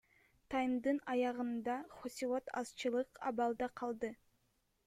Таймдын аягында Хосилот азчылык абалда калды.